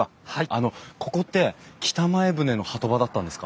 あのここって北前船の波止場だったんですか？